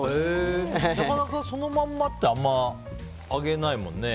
なかなかそのまんまってあんまり揚げないもんね。